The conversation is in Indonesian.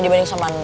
dibanding sama neng